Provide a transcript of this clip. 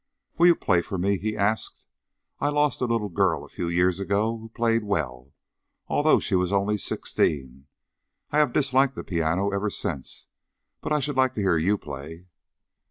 "Will you play for me?" he asked. "I lost a little girl a few years ago who played well, although she was only sixteen. I have disliked the piano ever since, but I should like to hear you play."